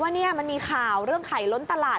เนี่ยมันมีข่าวเรื่องไข่ล้นตลาด